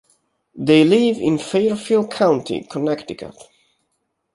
They live in Fairfield County, Connecticut.